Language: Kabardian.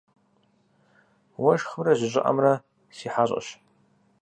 Уэшхымрэ жьы щӏыӏэмрэ си хьэщӏэщ.